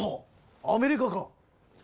アメリカか！